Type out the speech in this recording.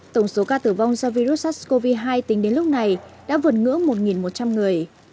tổng số ca tử vong do virus sars cov hai tính đến lúc này đã vượt ngưỡng một một trăm linh người